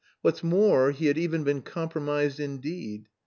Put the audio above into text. What's more, he had even been compromised indeed.